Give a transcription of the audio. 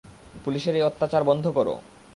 পুলিশের এই অত্যাচার বন্ধ করো!